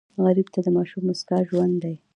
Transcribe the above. غریب ته د ماشوم موسکا ژوند دی